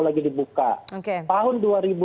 lagi dibuka tahun dua ribu sembilan belas